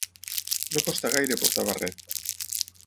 No costa gaire portar barret.